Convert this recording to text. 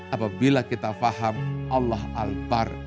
apabila kita faham allah albar